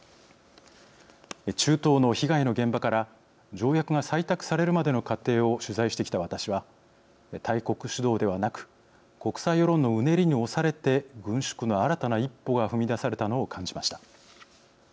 中東の被害の現場から条約が採択されるまでの過程を取材してきた私は大国主導ではなく国際世論のうねりに押されて軍縮の新たな一歩が踏み出されたのを感じました。